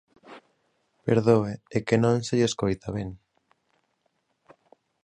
Perdoe, é que non se lle escoita ben.